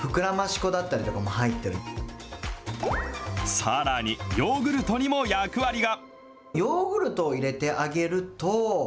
さらにヨーグルトにも役割が。